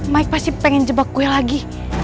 mike pasti pengen jebak kue lagi